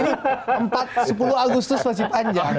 ini sepuluh agustus masih panjang